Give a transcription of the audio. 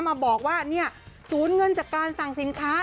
มาบอกว่าเนี่ยสูญเงินจากการสั่งสินค้า